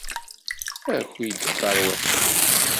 Aki-d, a tarwiḥt-iw!